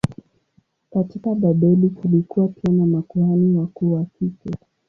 Katika Babeli kulikuwa pia na makuhani wakuu wa kike.